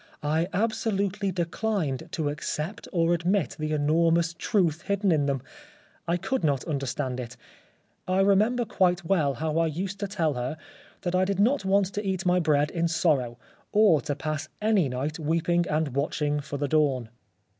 I absolutely declined to accept or admit the enormous truth hidden in them. I could not understand it. I remember quite well how I used to tell her that I did not want to eat my bread in sorrow, or to pass any night weeping and watching for the dawn."